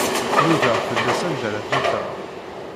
Nudaɣ fell-as anda ara t-afeɣ.